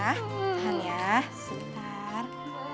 tahan ya sebentar